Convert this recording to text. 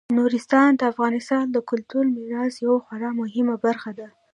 نورستان د افغانستان د کلتوري میراث یوه خورا مهمه برخه ده.